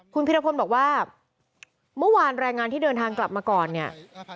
คุณพิรพลบอกว่าเมื่อวานแรงงานที่เดินทางกลับมาก่อนเนี่ย